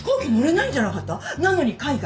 なのに海外？